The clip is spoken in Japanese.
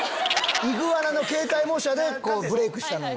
イグアナの形態模写でブレイクしたのよ。